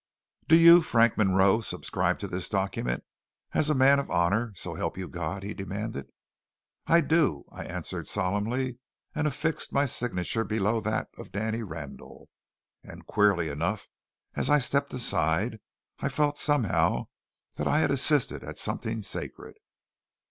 "Do you, Frank Munroe, subscribe to this document as a man of honour, so help you God?" he demanded. "I do," I answered solemnly, and affixed my signature below that of Danny Randall. And queerly enough, as I stepped aside, I felt somehow that I had assisted at something sacred.